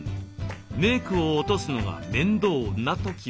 メークを落とすのが面倒な時は？